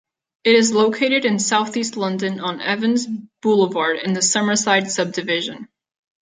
It is located in south-east London on Evans Boulevard, in the Summerside subdivision.